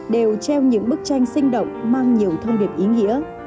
đều treo những bức tranh sinh động mang nhiều thông điệp ý nghĩa